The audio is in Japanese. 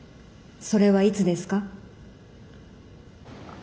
それはいつですか？